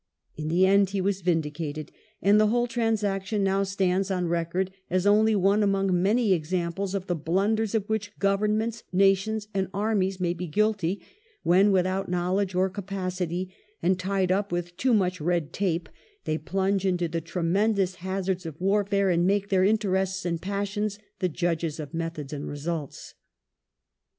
In the end he was vindicated, and the whole transaction now stands on record as only one among many examples of the blunders of which governments, nations, and armies may be guilty, when, without knowledge or capacity, and tied up with too much red tape, they plunge into the tremendous hazards of warfare, and make their interests and passions the judges of methods and results.